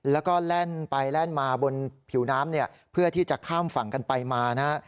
แล้วก็แล่นไปแล่นมาบนผิวน้ำเนี่ยเพื่อที่จะข้ามฝั่งกันไปมานะฮะ